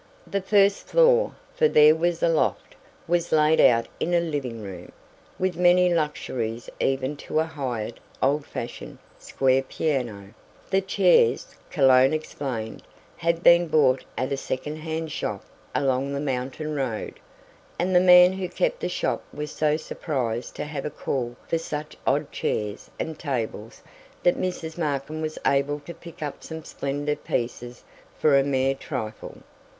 The first floor for there was a loft was laid out in a living room, with many luxuries even to a hired, old fashioned, square piano; the chairs, Cologne explained, had been bought at a second hand shop along the mountain road; and the man who kept the shop was so surprised to have a call for such odd chairs and tables that Mrs. Markin was able to pick up some splendid pieces for a mere trifle.